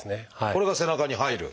これが背中に入る。